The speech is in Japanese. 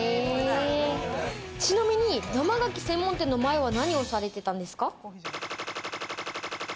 ちなみに生牡蠣専門店の前は何をされてたんですか？